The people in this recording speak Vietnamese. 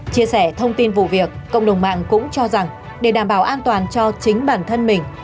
chia sẻ thông tin vụ việc cộng đồng mạng cũng cho rằng để đảm bảo an toàn cho chính bản thân mình